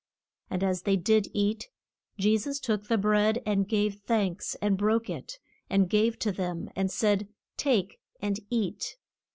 And as they did eat Je sus took the bread and gave thanks and broke it, and gave to them, and said, Take and eat.